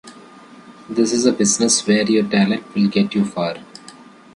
This is a business where your talent will get you far.